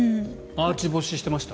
アーチ干し、してました？